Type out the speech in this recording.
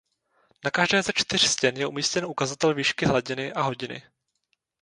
Na každé ze čtyř stěn je umístěn ukazatel výšky hladiny a hodiny.